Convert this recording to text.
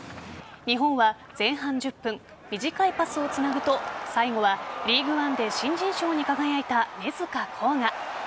日本は前半１０分短いパスをつなぐと最後はリーグワンで新人賞に輝いた根塚洸雅。